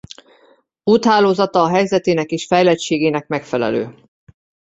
Úthálózata a helyzetének és fejlettségének megfelelő.